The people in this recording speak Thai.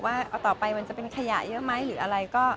ว่าเอาต่อไปมันจะเป็นขยะเยอะไหมหรืออะไรก็